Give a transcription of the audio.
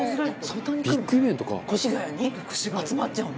越谷に集まっちゃうの？